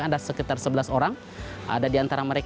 ada sekitar sebelas orang ada di antara mereka